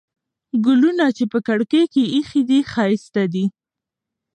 ګلونه چې په کړکۍ کې ایښي دي، ښایسته دي.